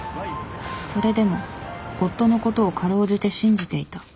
それでも夫のことをかろうじて信じていた。